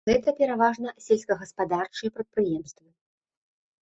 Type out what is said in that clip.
Гэта пераважна сельскагаспадарчыя прадпрыемствы.